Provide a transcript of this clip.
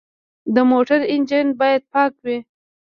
د موټر انجن باید پاک وي.